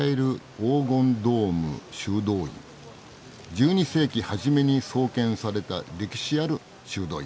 １２世紀初めに創建された歴史ある修道院。